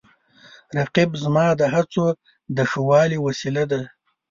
رقیب زما د هڅو د ښه والي وسیله ده